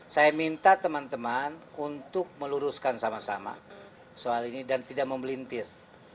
saya minta teman teman untuk meluruskan sama sama soal ini dan tidak membelintir